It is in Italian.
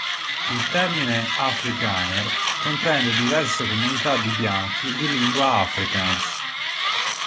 Il termine afrikaner comprende diverse comunità di bianchi di lingua afrikaans.